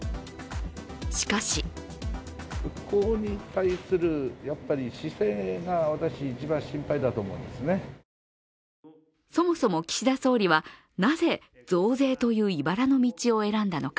しかしそもそも岸田総理はなぜ増税といういばらの道を選んだのか。